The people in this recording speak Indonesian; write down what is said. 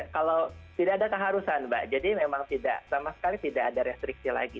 kalau tidak ada keharusan mbak jadi memang tidak sama sekali tidak ada restriksi lagi